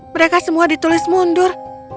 mereka semua ditulis mundur